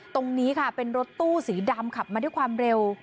ตรงนี้ค่ะเป็นรถตู้สีดำขับมาด้วยความเร็ว